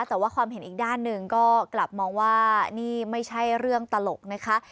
แต่ว่าความเห็นอีกด้านหนึ่งก็กลับมองว่านี่ไม่ใช่เรื่องตลกนะคะ